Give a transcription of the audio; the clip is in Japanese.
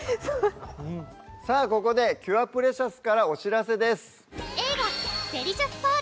さぁここでキュアプレシャスからお知らせです